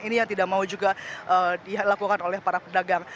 ini yang tidak mau juga dilakukan oleh para pedagang